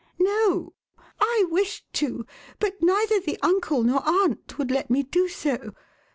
"No. I wished to, but neither the uncle nor aunt would let me do so.